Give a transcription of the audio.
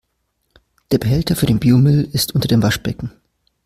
Der Behälter für den Biomüll ist unter dem Waschbecken.